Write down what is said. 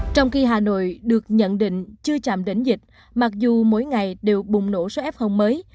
trong khi hà nội được nhận định chưa chạm đỉnh dịch mặc dù mỗi ngày đều bùng nổ số f mới